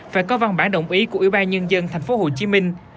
phải có văn bản đồng ý của ủy ban nhân dân tp hcm